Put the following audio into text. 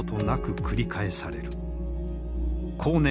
後年